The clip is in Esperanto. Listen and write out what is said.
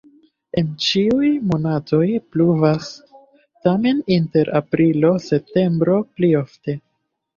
En ĉiuj monatoj pluvas, tamen inter aprilo-septembro pli ofte.